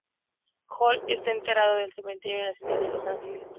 Holt está enterrado en el Cementerio Nacional de Los Angeles.